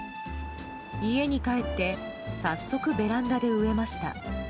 家に帰って早速、ベランダで植えました。